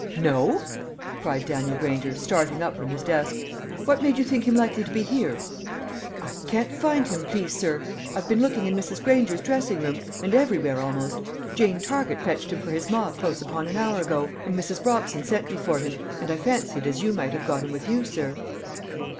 "No," cried Daniel Granger, starting up from his desk. "What made you think him likely to be here?" "I can't find him, please, sir. I've been looking in Mrs. Granger's dressing room, and everywhere almost. Jane Target fetched him for his ma close upon a hour ago; and Mrs. Brobson sent me for him, and I fancied as you might have got him with you, sir."